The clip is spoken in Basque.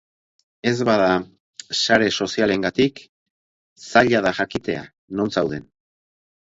Ez bada sare sozialengatik, zaila da jakitea non zauden.